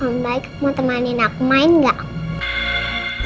om baik mau temanin aku main nggak